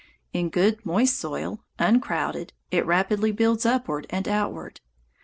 In good, moist soil, uncrowded, it rapidly builds upward and outward.